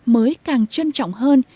mới càng trân trọng hơn